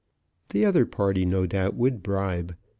The other party no doubt would bribe.